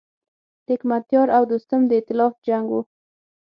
د حکمتیار او دوستم د ایتلاف جنګ و.